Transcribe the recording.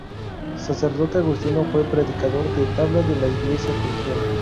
Sacerdote agustino, fue predicador de tabla de la iglesia colegial.